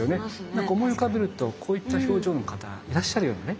何か思い浮かべるとこういった表情の方いらっしゃるようなね。